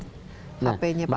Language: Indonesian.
hp nya pak anna atau lewat